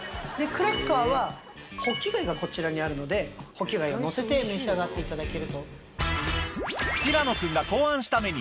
クラッカーはほっき貝がこちらにあるのでほっき貝をのせて召し上がっていただけると。